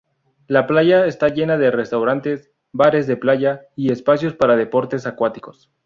La playa está llena de restaurantes, bares de playa y espacios para deportes acuáticos.